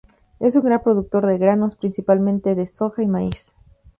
Es un gran productor de granos, principalmente de soja y maíz.